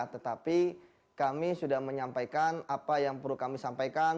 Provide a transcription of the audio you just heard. tetapi kami sudah menyampaikan apa yang perlu kami sampaikan